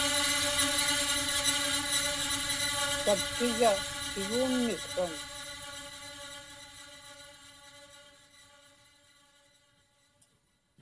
tatkigga kiguunniksran